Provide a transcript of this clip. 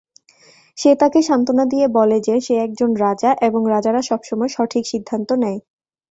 সে তাকে সান্ত্বনা দিয়ে বলে যে সে একজন রাজা এবং রাজারা সবসময় সঠিক সিদ্ধান্ত নেয়।